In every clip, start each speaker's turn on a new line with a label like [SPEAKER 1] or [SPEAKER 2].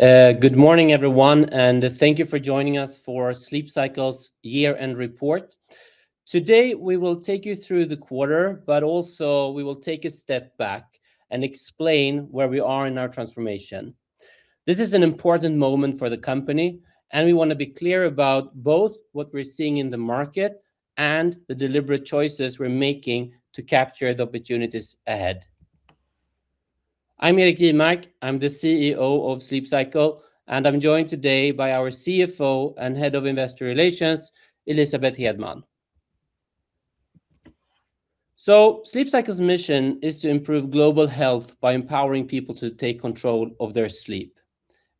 [SPEAKER 1] Good morning everyone, and thank you for joining us for Sleep Cycle's year-end report. Today we will take you through the quarter, but also we will take a step back and explain where we are in our transformation. This is an important moment for the company, and we want to be clear about both what we're seeing in the market and the deliberate choices we're making to capture the opportunities ahead. I'm Erik Jivmark, I'm the CEO of Sleep Cycle, and I'm joined today by our CFO and Head of Investor Relations, Elisabeth Hedman. Sleep Cycle's mission is to improve global health by empowering people to take control of their sleep.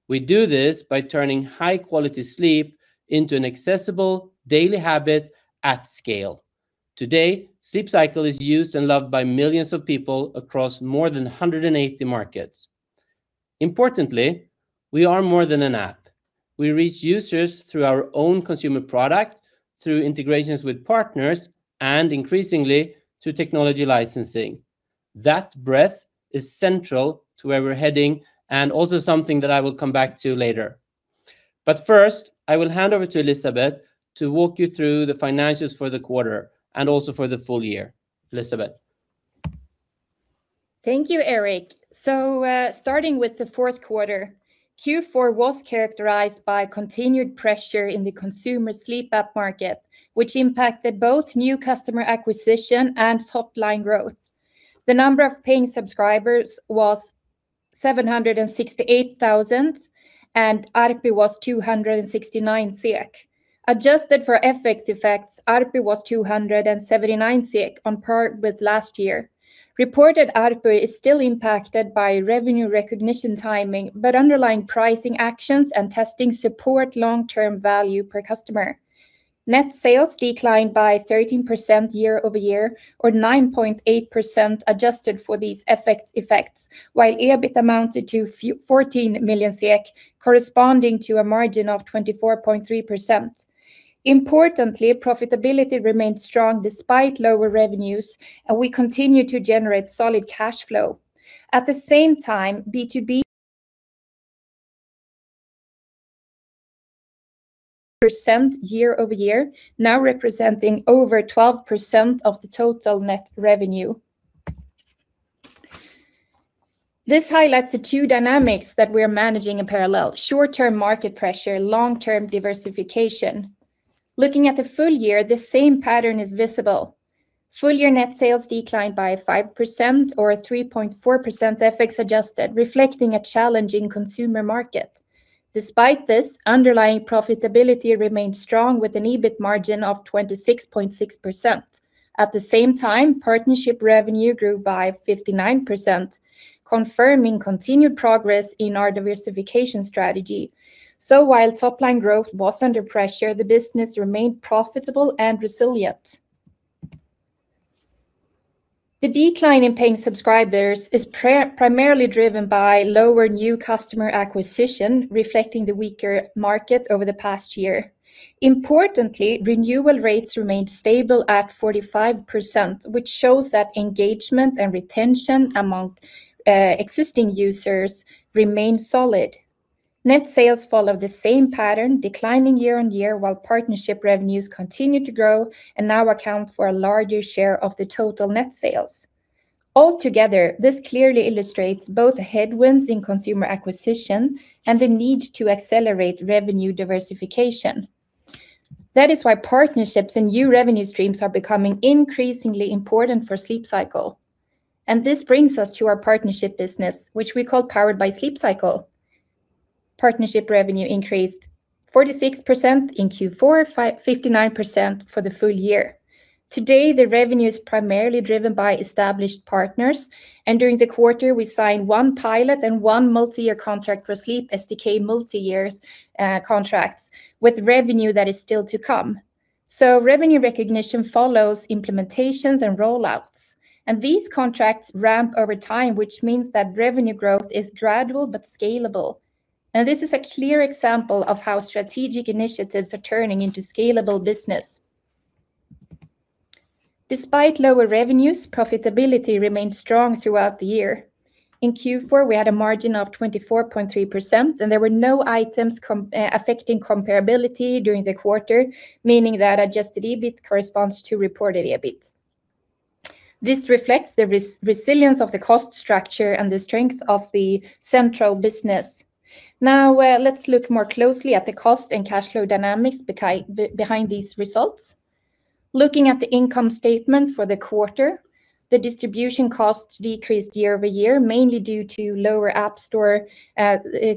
[SPEAKER 1] We do this by turning high-quality sleep into an accessible daily habit at scale. Today, Sleep Cycle is used and loved by millions of people across more than 180 markets. Importantly, we are more than an app. We reach users through our own consumer product, through integrations with partners, and increasingly through technology licensing. That breadth is central to where we're heading and also something that I will come back to later. But first, I will hand over to Elisabeth to walk you through the financials for the quarter and also for the full year. Elisabeth.
[SPEAKER 2] Thank you, Erik. So, starting with the fourth quarter, Q4 was characterized by continued pressure in the consumer sleep app market, which impacted both new customer acquisition and hotline growth. The number of paying subscribers was 768,000, and ARPU was 269 SEK. Adjusted for FX effects, ARPU was 279 SEK on par with last year. Reported ARPU is still impacted by revenue recognition timing, but underlying pricing actions and testing support long-term value per customer. Net sales declined by 13% year-over-year, or 9.8% adjusted for these FX effects, while EBIT amounted to 14 million SEK, corresponding to a margin of 24.3%. Importantly, profitability remained strong despite lower revenues, and we continue to generate solid cash flow. At the same time, B2B percent year-over-year now representing over 12% of the total net revenue. This highlights the two dynamics that we're managing in parallel: short-term market pressure, long-term diversification. Looking at the full year, the same pattern is visible. Full-year net sales declined by 5%, or 3.4% FX adjusted, reflecting a challenging consumer market. Despite this, underlying profitability remained strong with an EBIT margin of 26.6%. At the same time, partnership revenue grew by 59%, confirming continued progress in our diversification strategy. So while topline growth was under pressure, the business remained profitable and resilient. The decline in paying subscribers is primarily driven by lower new customer acquisition, reflecting the weaker market over the past year. Importantly, renewal rates remained stable at 45%, which shows that engagement and retention among existing users remain solid. Net sales followed the same pattern, declining year-on-year while partnership revenues continued to grow and now account for a larger share of the total net sales. Altogether, this clearly illustrates both headwinds in consumer acquisition and the need to accelerate revenue diversification. That is why partnerships and new revenue streams are becoming increasingly important for Sleep Cycle. This brings us to our partnership business, which we call Powered by Sleep Cycle. Partnership revenue increased 46% in Q4, 59% for the full year. Today, the revenue is primarily driven by established partners, and during the quarter we signed one pilot and one multi-year contract for Sleep SDK, multi-year contracts with revenue that is still to come. Revenue recognition follows implementations and rollouts, and these contracts ramp over time, which means that revenue growth is gradual but scalable. This is a clear example of how strategic initiatives are turning into scalable business. Despite lower revenues, profitability remained strong throughout the year. In Q4 we had a margin of 24.3%, and there were no items affecting comparability during the quarter, meaning that adjusted EBIT corresponds to reported EBIT. This reflects the resilience of the cost structure and the strength of the central business. Now, let's look more closely at the cost and cash flow dynamics behind these results. Looking at the income statement for the quarter, the distribution costs decreased year-over-year, mainly due to lower App Store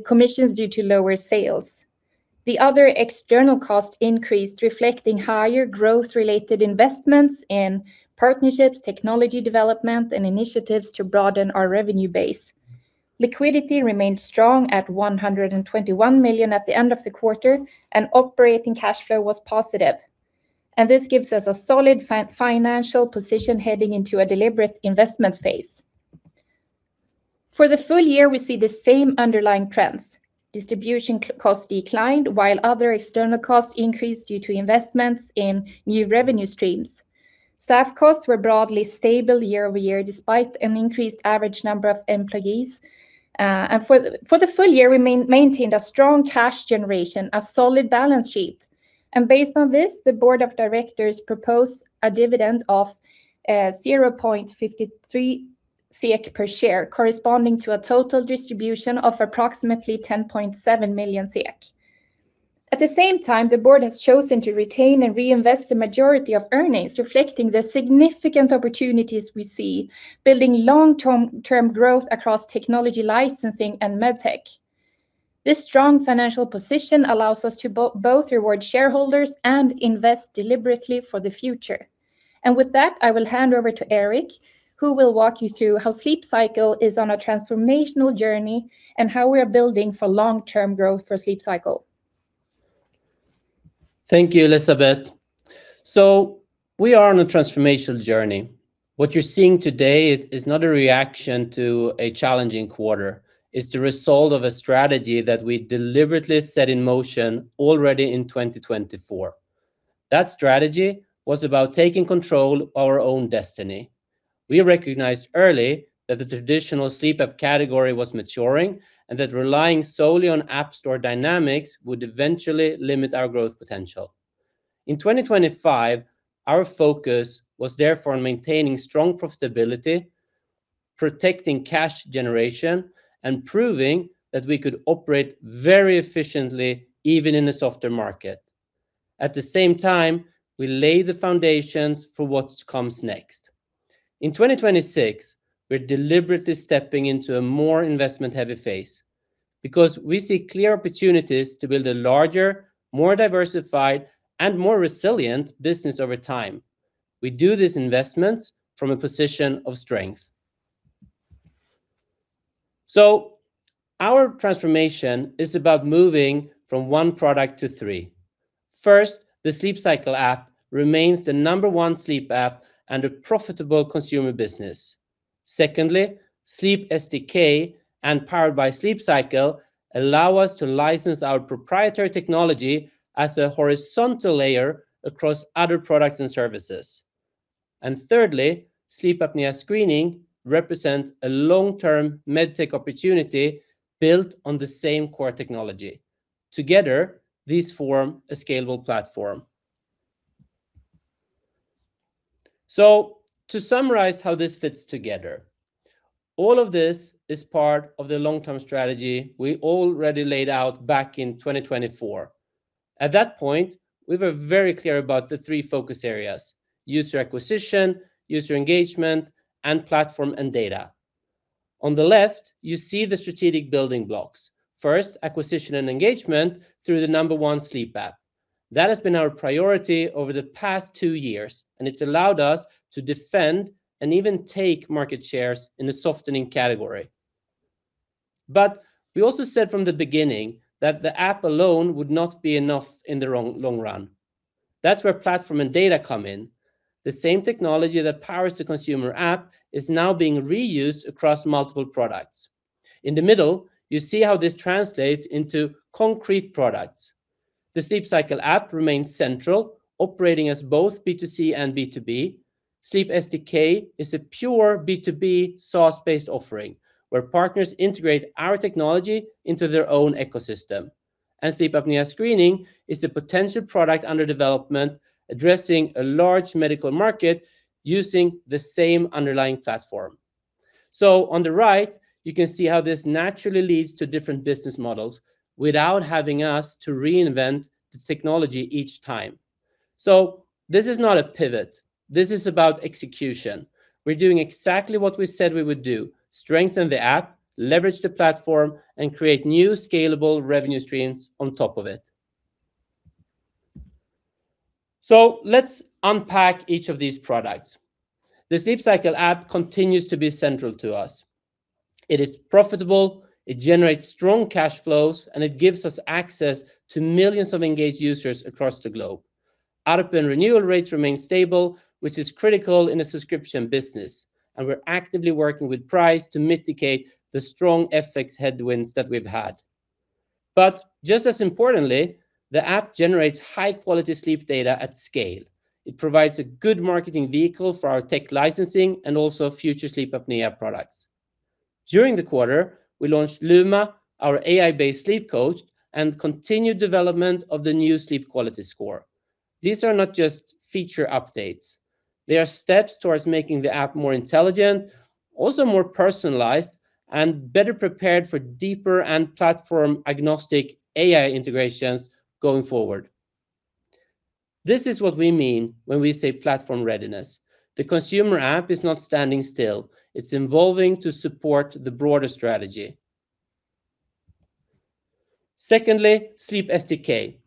[SPEAKER 2] commissions due to lower sales. The other external costs increased, reflecting higher growth-related investments in partnerships, technology development, and initiatives to broaden our revenue base. Liquidity remained strong at 121 million at the end of the quarter, and operating cash flow was positive. This gives us a solid financial position heading into a deliberate investment phase. For the full year we see the same underlying trends. Distribution costs declined, while other external costs increased due to investments in new revenue streams. Staff costs were broadly stable year over year despite an increased average number of employees. For the full year we maintained a strong cash generation, a solid balance sheet. Based on this, the Board of Directors proposed a dividend of 0.53 SEK per share, corresponding to a total distribution of approximately 10.7 million SEK. At the same time, the board has chosen to retain and reinvest the majority of earnings, reflecting the significant opportunities we see, building long-term growth across technology licensing and MedTech. This strong financial position allows us to both reward shareholders and invest deliberately for the future. With that, I will hand over to Erik, who will walk you through how Sleep Cycle is on a transformational journey and how we are building for long-term growth for Sleep Cycle.
[SPEAKER 1] Thank you, Elisabeth. We are on a transformational journey. What you're seeing today is not a reaction to a challenging quarter. It's the result of a strategy that we deliberately set in motion already in 2024. That strategy was about taking control of our own destiny. We recognized early that the traditional sleep app category was maturing and that relying solely on app store dynamics would eventually limit our growth potential. In 2025, our focus was therefore on maintaining strong profitability, protecting cash generation, and proving that we could operate very efficiently even in a softer market. At the same time, we laid the foundations for what comes next. In 2026, we're deliberately stepping into a more investment-heavy phase because we see clear opportunities to build a larger, more diversified, and more resilient business over time. We do these investments from a position of strength. So our transformation is about moving from one product to three. First, the Sleep Cycle app remains the number one sleep app and a profitable consumer business. Secondly, Sleep SDK and Powered by Sleep Cycle allow us to license our proprietary technology as a horizontal layer across other products and services. And thirdly, sleep apnea screening represents a long-term MedTech opportunity built on the same core technology. Together, these form a scalable platform. So to summarize how this fits together: all of this is part of the long-term strategy we already laid out back in 2024. At that point, we were very clear about the three focus areas: user acquisition, user engagement, and platform and data. On the left, you see the strategic building blocks. First, acquisition and engagement through the number one sleep app. That has been our priority over the past two years, and it's allowed us to defend and even take market shares in the softening category. But we also said from the beginning that the app alone would not be enough in the long run. That's where platform and data come in. The same technology that powers the consumer app is now being reused across multiple products. In the middle, you see how this translates into concrete products. The Sleep Cycle app remains central, operating as both B2C and B2B. Sleep SDK is a pure B2B SaaS-based offering, where partners integrate our technology into their own ecosystem. And sleep apnea screening is a potential product under development, addressing a large medical market using the same underlying platform. So on the right, you can see how this naturally leads to different business models without having us to reinvent the technology each time. So this is not a pivot. This is about execution. We're doing exactly what we said we would do: strengthen the app, leverage the platform, and create new scalable revenue streams on top of it. So let's unpack each of these products. The Sleep Cycle app continues to be central to us. It is profitable, it generates strong cash flows, and it gives us access to millions of engaged users across the globe. ARPU and renewal rates remain stable, which is critical in a subscription business, and we're actively working with price to mitigate the strong FX headwinds that we've had. But just as importantly, the app generates high-quality sleep data at scale. It provides a good marketing vehicle for our tech licensing and also future sleep apnea products. During the quarter, we launched Luma, our AI-based sleep coach, and continued development of the new Sleep Quality Score. These are not just feature updates. They are steps towards making the app more intelligent, also more personalized, and better prepared for deeper and platform-agnostic AI integrations going forward. This is what we mean when we say platform readiness. The consumer app is not standing still. It's evolving to support the broader strategy. Secondly, Sleep SDK.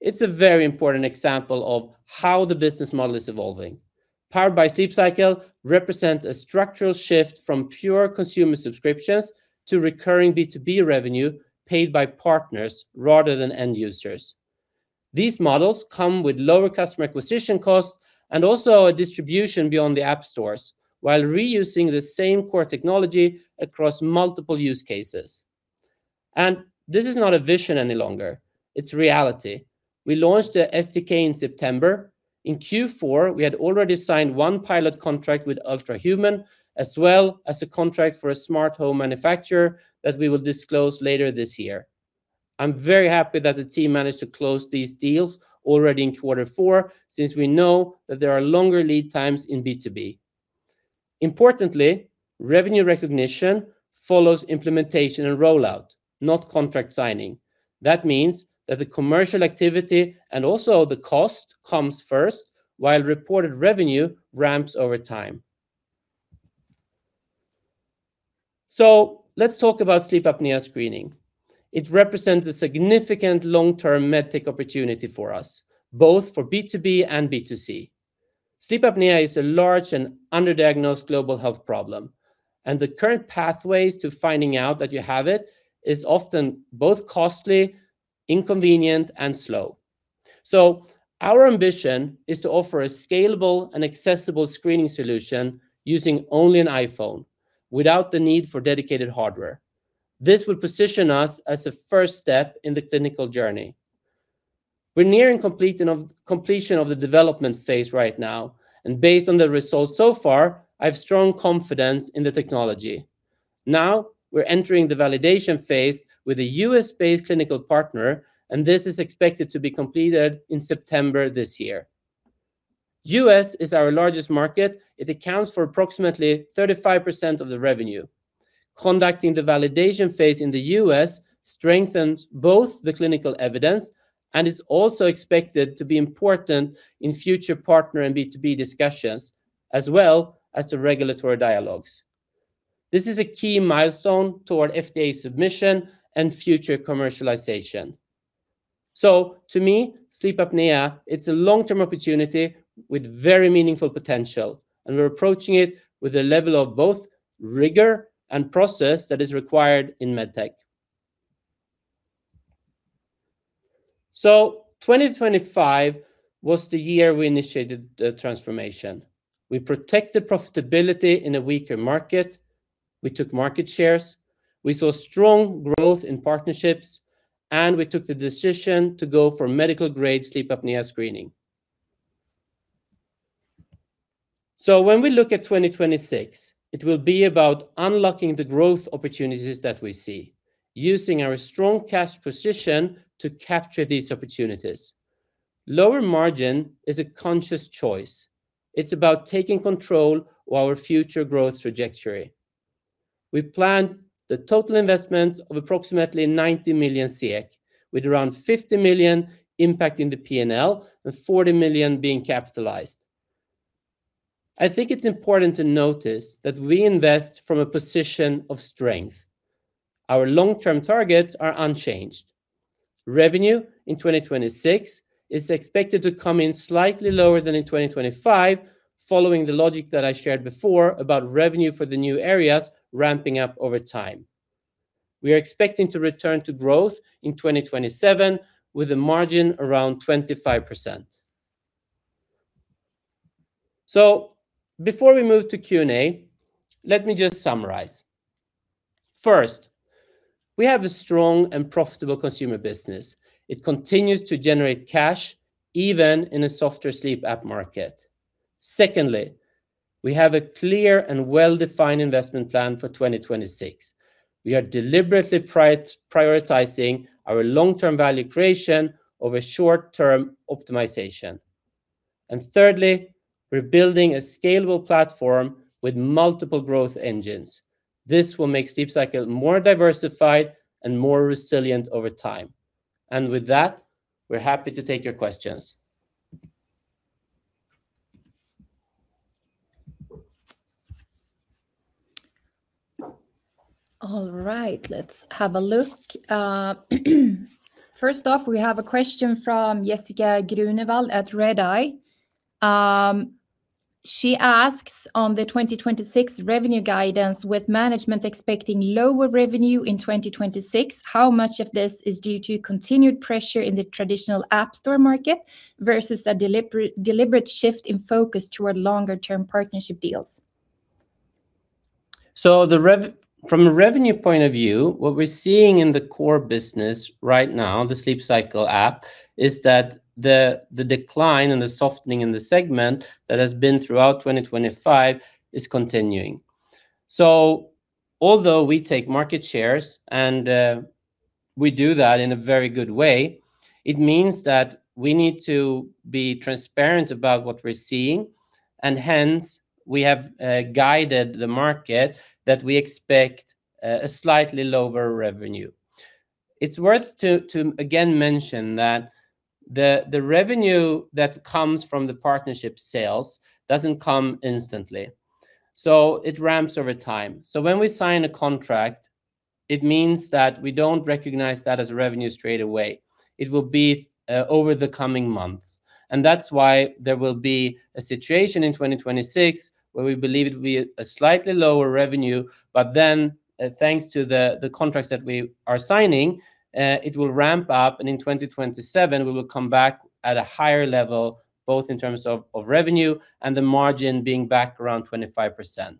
[SPEAKER 1] It's a very important example of how the business model is evolving. Powered by Sleep Cycle represents a structural shift from pure consumer subscriptions to recurring B2B revenue paid by partners rather than end users. These models come with lower customer acquisition costs and also a distribution beyond the app stores, while reusing the same core technology across multiple use cases. This is not a vision any longer. It's reality. We launched the SDK in September. In Q4, we had already signed one pilot contract with Ultrahuman, as well as a contract for a smart home manufacturer that we will disclose later this year. I'm very happy that the team managed to close these deals already in Q4 since we know that there are longer lead times in B2B. Importantly, revenue recognition follows implementation and rollout, not contract signing. That means that the commercial activity and also the cost comes first, while reported revenue ramps over time. Let's talk about sleep apnea screening. It represents a significant long-term MedTech opportunity for us, both for B2B and B2C. Sleep apnea is a large and underdiagnosed global health problem, and the current pathways to finding out that you have it are often both costly, inconvenient, and slow. So our ambition is to offer a scalable and accessible screening solution using only an iPhone, without the need for dedicated hardware. This would position us as a first step in the clinical journey. We're nearing completion of the development phase right now, and based on the results so far, I have strong confidence in the technology. Now we're entering the validation phase with a U.S.-based clinical partner, and this is expected to be completed in September this year. The U.S. is our largest market. It accounts for approximately 35% of the revenue. Conducting the validation phase in the U.S. strengthens both the clinical evidence, and it's also expected to be important in future partner and B2B discussions, as well as the regulatory dialogues. This is a key milestone toward FDA submission and future commercialization. So to me, sleep apnea, it's a long-term opportunity with very meaningful potential, and we're approaching it with the level of both rigor and process that is required in MedTech. So 2025 was the year we initiated the transformation. We protected profitability in a weaker market. We took market shares. We saw strong growth in partnerships, and we took the decision to go for medical-grade sleep apnea screening. So when we look at 2026, it will be about unlocking the growth opportunities that we see, using our strong cash position to capture these opportunities. Lower margin is a conscious choice. It's about taking control of our future growth trajectory. We planned the total investments of approximately 90 million, with around 50 million impacting the P&L and 40 million being capitalized. I think it's important to notice that we invest from a position of strength. Our long-term targets are unchanged. Revenue in 2026 is expected to come in slightly lower than in 2025, following the logic that I shared before about revenue for the new areas ramping up over time. We are expecting to return to growth in 2027 with a margin around 25%. So before we move to Q&A, let me just summarize. First, we have a strong and profitable consumer business. It continues to generate cash even in a softer sleep app market. Secondly, we have a clear and well-defined investment plan for 2026. We are deliberately prioritizing our long-term value creation over short-term optimization. And thirdly, we're building a scalable platform with multiple growth engines. This will make Sleep Cycle more diversified and more resilient over time. And with that, we're happy to take your questions.
[SPEAKER 2] All right, let's have a look. First off, we have a question from Jessica Grunewald at Redeye. She asks, "On the 2026 revenue guidance, with management expecting lower revenue in 2026, how much of this is due to continued pressure in the traditional app store market versus a deliberate shift in focus toward longer-term partnership deals?
[SPEAKER 1] From a revenue point of view, what we're seeing in the core business right now, the Sleep Cycle app, is that the decline and the softening in the segment that has been throughout 2025 is continuing. Although we take market shares, and we do that in a very good way, it means that we need to be transparent about what we're seeing, and hence we have guided the market that we expect a slightly lower revenue. It's worth to, again, mention that the revenue that comes from the partnership sales doesn't come instantly. It ramps over time. When we sign a contract, it means that we don't recognize that as revenue straight away. It will be over the coming months. That's why there will be a situation in 2026 where we believe it will be a slightly lower revenue, but then, thanks to the contracts that we are signing, it will ramp up, and in 2027, we will come back at a higher level, both in terms of revenue and the margin being back around 25%.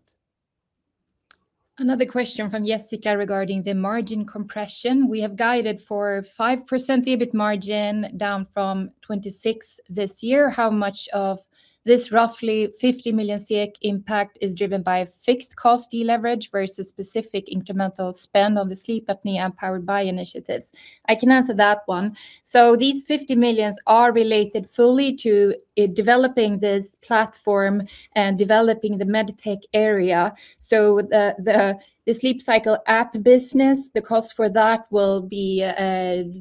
[SPEAKER 2] Another question from Jessica regarding the margin compression. "We have guided for a 5% EBIT margin down from 26% this year. How much of this roughly 50 million impact is driven by fixed cost deleverage versus specific incremental spend on the sleep apnea and Powered by initiatives?" I can answer that one. So these 50 million are related fully to developing this platform and developing the MedTech area. So the Sleep Cycle app business, the cost for that will be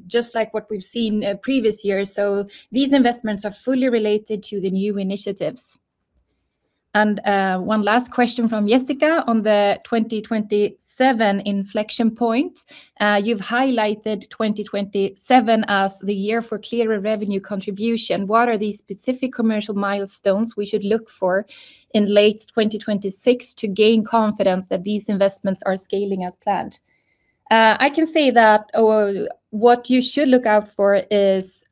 [SPEAKER 2] just like what we've seen previous years. So these investments are fully related to the new initiatives. And one last question from Jessica on the 2027 inflection point. "You've highlighted 2027 as the year for clearer revenue contribution. What are the specific commercial milestones we should look for in late 2026 to gain confidence that these investments are scaling as planned?" I can say that what you should look out for is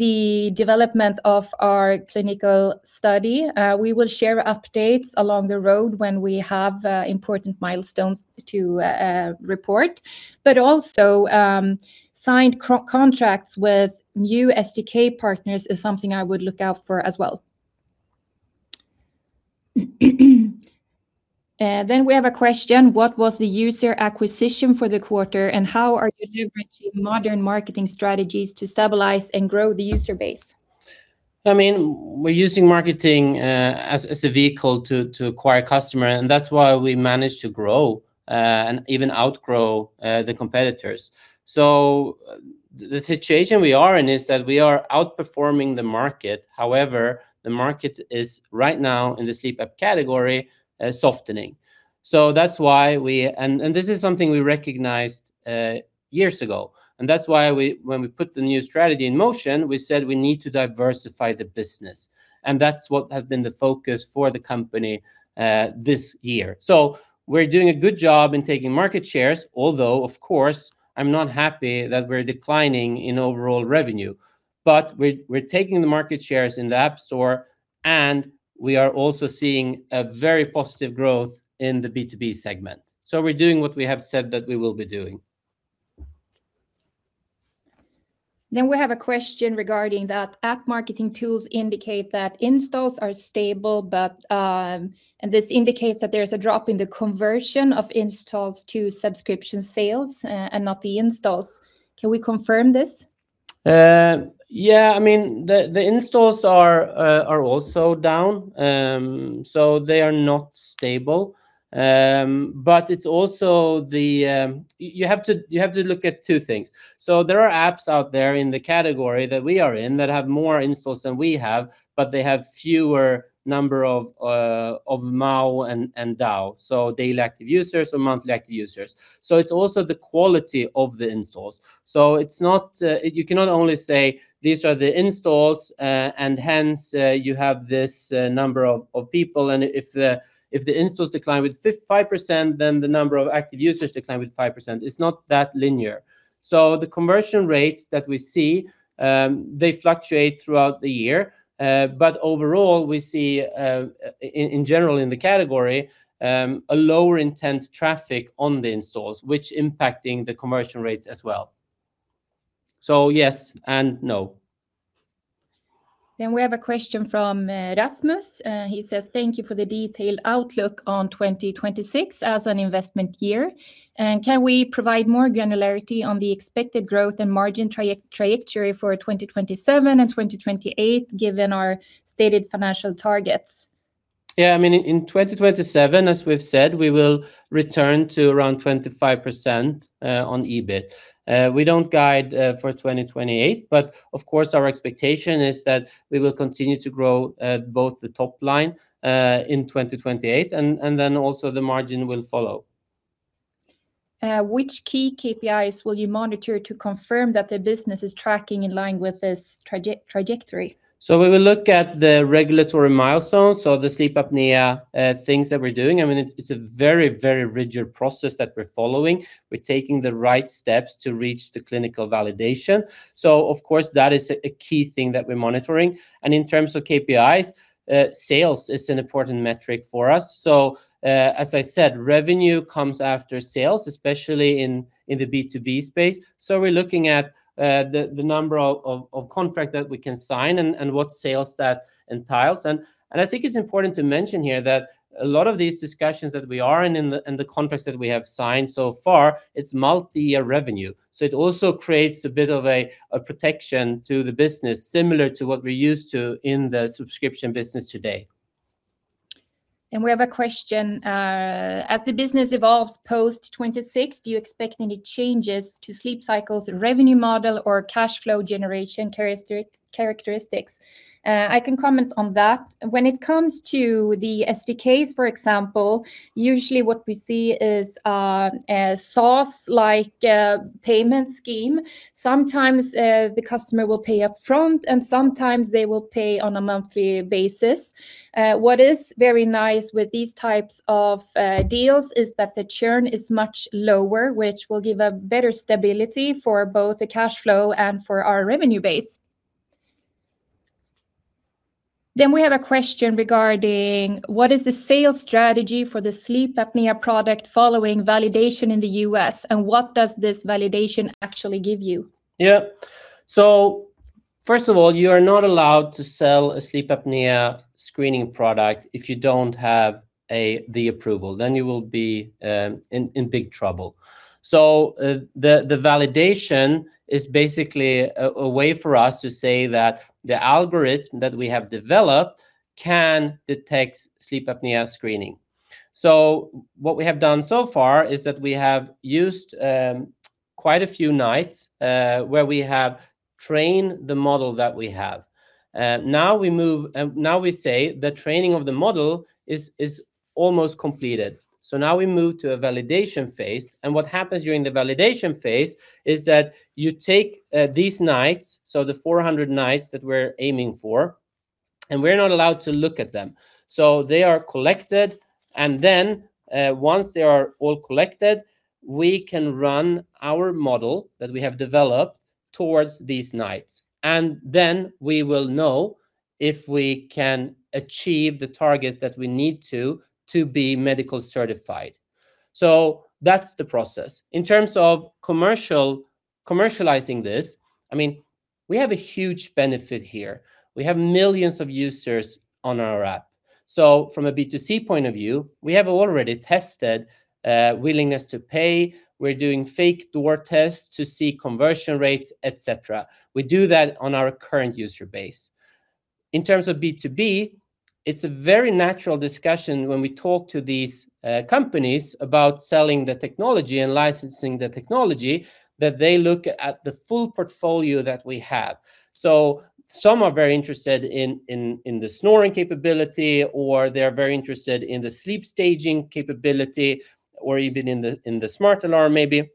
[SPEAKER 2] the development of our clinical study. We will share updates along the road when we have important milestones to report. But also, signing contracts with new SDK partners is something I would look out for as well. Then we have a question. "What was the user acquisition for the quarter, and how are you leveraging modern marketing strategies to stabilize and grow the user base?
[SPEAKER 1] I mean, we're using marketing as a vehicle to acquire customers, and that's why we managed to grow and even outgrow the competitors. So the situation we are in is that we are outperforming the market. However, the market is, right now, in the sleep app category, softening. So that's why we and this is something we recognized years ago. And that's why, when we put the new strategy in motion, we said we need to diversify the business. And that's what has been the focus for the company this year. So we're doing a good job in taking market shares, although, of course, I'm not happy that we're declining in overall revenue. But we're taking the market shares in the App Store, and we are also seeing very positive growth in the B2B segment. So we're doing what we have said that we will be doing.
[SPEAKER 2] Then we have a question regarding that. "App marketing tools indicate that installs are stable, and this indicates that there's a drop in the conversion of installs to subscription sales and not the installs. Can we confirm this?
[SPEAKER 1] Yeah, I mean, the installs are also down, so they are not stable. But it's also that you have to look at two things. So there are apps out there in the category that we are in that have more installs than we have, but they have a fewer number of MAU and DAU, so daily active users or monthly active users. So it's also the quality of the installs. So you cannot only say, "These are the installs, and hence you have this number of people. And if the installs decline with 5%, then the number of active users declines with 5%." It's not that linear. So the conversion rates that we see, they fluctuate throughout the year. But overall, we see, in general, in the category, a lower intent traffic on the installs, which is impacting the conversion rates as well. So yes and no.
[SPEAKER 2] Then we have a question from Rasmus. He says, "Thank you for the detailed outlook on 2026 as an investment year. Can we provide more granularity on the expected growth and margin trajectory for 2027 and 2028, given our stated financial targets?
[SPEAKER 1] Yeah, I mean, in 2027, as we've said, we will return to around 25% on EBIT. We don't guide for 2028, but of course, our expectation is that we will continue to grow both the top line in 2028, and then also the margin will follow.
[SPEAKER 2] Which key KPIs will you monitor to confirm that the business is tracking in line with this trajectory?
[SPEAKER 1] So we will look at the regulatory milestones, so the sleep apnea things that we're doing. I mean, it's a very, very rigid process that we're following. We're taking the right steps to reach the clinical validation. So of course, that is a key thing that we're monitoring. In terms of KPIs, sales is an important metric for us. So as I said, revenue comes after sales, especially in the B2B space. So we're looking at the number of contracts that we can sign and what sales that entails. I think it's important to mention here that a lot of these discussions that we are in and the contracts that we have signed so far, it's multi-year revenue. So it also creates a bit of a protection to the business, similar to what we're used to in the subscription business today.
[SPEAKER 2] We have a question. "As the business evolves post-2026, do you expect any changes to Sleep Cycle's revenue model or cash flow generation characteristics?" I can comment on that. When it comes to the SDKs, for example, usually what we see is a SaaS-like payment scheme. Sometimes the customer will pay up front, and sometimes they will pay on a monthly basis. What is very nice with these types of deals is that the churn is much lower, which will give a better stability for both the cash flow and for our revenue base. We have a question regarding, "What is the sales strategy for the sleep apnea product following validation in the U.S., and what does this validation actually give you?
[SPEAKER 1] Yeah, so first of all, you are not allowed to sell a sleep apnea screening product if you don't have the approval. Then you will be in big trouble. So the validation is basically a way for us to say that the algorithm that we have developed can detect sleep apnea screening. So what we have done so far is that we have used quite a few nights where we have trained the model that we have. Now we say the training of the model is almost completed. So now we move to a validation phase. And what happens during the validation phase is that you take these nights, so the 400 nights that we're aiming for, and we're not allowed to look at them. So they are collected. And then, once they are all collected, we can run our model that we have developed towards these nights. And then we will know if we can achieve the targets that we need to to be medical certified. So that's the process. In terms of commercializing this, I mean, we have a huge benefit here. We have millions of users on our app. So from a B2C point of view, we have already tested willingness to pay. We're doing fake door tests to see conversion rates, et cetera. We do that on our current user base. In terms of B2B, it's a very natural discussion when we talk to these companies about selling the technology and licensing the technology that they look at the full portfolio that we have. So some are very interested in the snoring capability, or they're very interested in the sleep staging capability, or even in the smart alarm, maybe.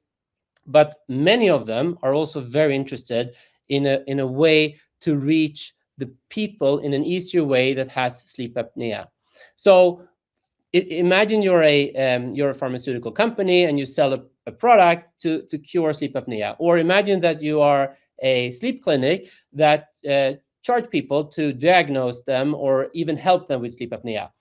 [SPEAKER 1] But many of them are also very interested in a way to reach the people in an easier way that has sleep apnea. So imagine you're a pharmaceutical company, and you sell a product to cure sleep apnea. Or imagine that you are a sleep clinic that charges people to diagnose them or even help them with sleep apnea.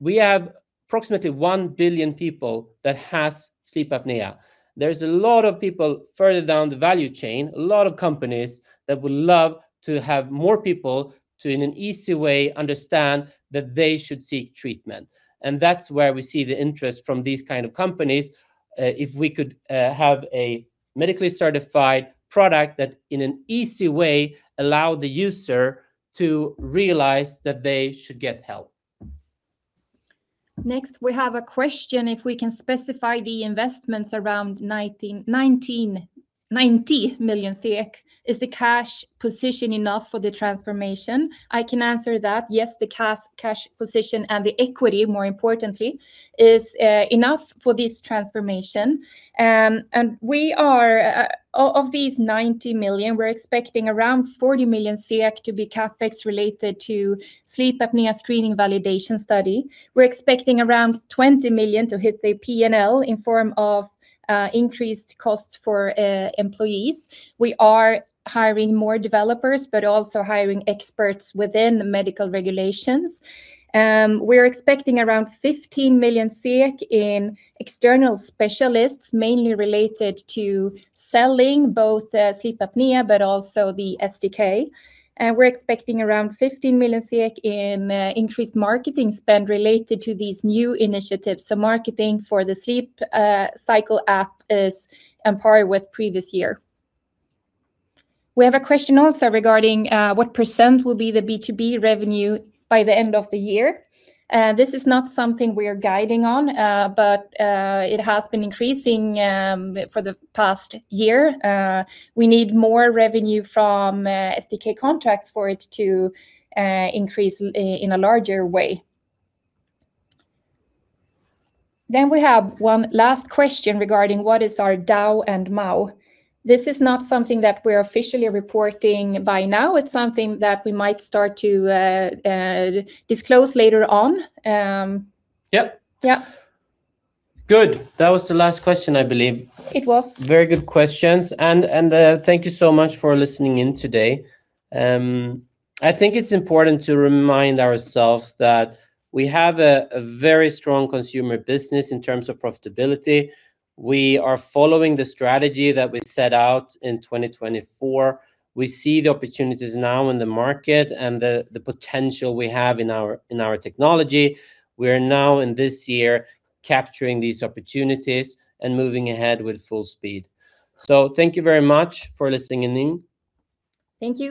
[SPEAKER 1] We have approximately 1 billion people that have sleep apnea. There's a lot of people further down the value chain, a lot of companies that would love to have more people to, in an easy way, understand that they should seek treatment. And that's where we see the interest from these kinds of companies, if we could have a medically certified product that, in an easy way, allows the user to realize that they should get help.
[SPEAKER 2] Next, we have a question. "If we can specify the investments around 90 million, is the cash position enough for the transformation?" I can answer that. Yes, the cash position and the equity, more importantly, is enough for this transformation. Of these 90 million, we're expecting around 40 million to be CapEx related to the sleep apnea screening validation study. We're expecting around 20 million to hit the P&L in form of increased costs for employees. We are hiring more developers, but also hiring experts within medical regulations. We're expecting around 15 million in external specialists, mainly related to selling both sleep apnea but also the SDK. We're expecting around 15 million in increased marketing spend related to these new initiatives. So marketing for the Sleep Cycle app is on par with previous year. We have a question also regarding, "What percent will be the B2B revenue by the end of the year?" This is not something we're guiding on, but it has been increasing for the past year. We need more revenue from SDK contracts for it to increase in a larger way. Then we have one last question regarding, "What is our DAU and MAU?" This is not something that we're officially reporting by now. It's something that we might start to disclose later on.
[SPEAKER 1] Yeah.
[SPEAKER 2] Yeah.
[SPEAKER 1] Good. That was the last question, I believe.
[SPEAKER 2] It was.
[SPEAKER 1] Very good questions. Thank you so much for listening in today. I think it's important to remind ourselves that we have a very strong consumer business in terms of profitability. We are following the strategy that we set out in 2024. We see the opportunities now in the market and the potential we have in our technology. We are now, in this year, capturing these opportunities and moving ahead with full speed. Thank you very much for listening in.
[SPEAKER 2] Thank you.